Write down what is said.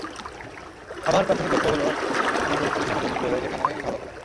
আমার প্রাথমিক লক্ষ্য হলো যেকোনো পজিশনে সুযোগ পেলেই সেখানেই ভালো করা।